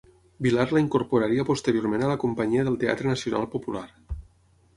Vilar la incorporaria posteriorment a la companyia del Teatre Nacional Popular.